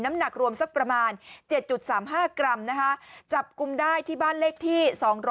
น้ำหนักรวมสักประมาณ๗๓๕กรัมนะคะจับกลุ่มได้ที่บ้านเลขที่๒๗